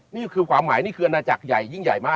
นี่คือความหมายนี่คืออาณาจักรใหญ่ยิ่งใหญ่มาก